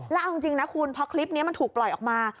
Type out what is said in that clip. แล้วเอาจริงนะคุณพอคลิปนี้มันถูกปล่อยออกมา